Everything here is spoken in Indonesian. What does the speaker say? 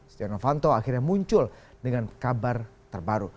setia novanto akhirnya muncul dengan kabar terbaru